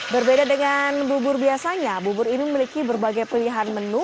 berbeda dengan bubur biasanya bubur ini memiliki berbagai pilihan menu